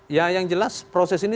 ya yang jelas proses ini